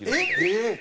えっ？